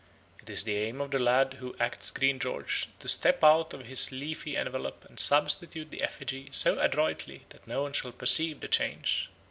It is the aim of the lad who acts Green George to step out of his leafy envelope and substitute the effigy so adroitly that no one shall perceive the change.